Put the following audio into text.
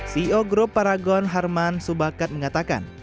ceo group paragon harman subakat mengatakan